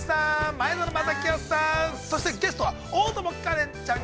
前園真聖さん、そして、ゲストは大友花恋ちゃん。